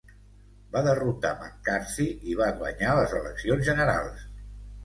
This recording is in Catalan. Va derrotar McCarthy i va guanyar les eleccions generals.